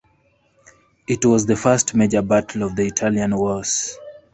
It was the first major battle of the Italian Wars.